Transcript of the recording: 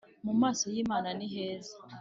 mu maso y imana ni heza